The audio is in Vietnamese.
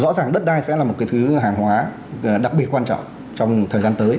rõ ràng đất đai sẽ là một cái thứ hàng hóa đặc biệt quan trọng trong thời gian tới